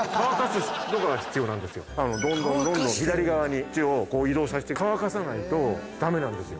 どんどんどんどん左側に移動させて乾かさないと駄目なんですよ。